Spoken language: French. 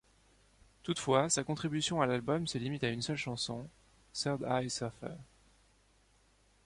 Toutefois, sa contribution à l'album se limite à une seule chanson, Third Eye Surfer.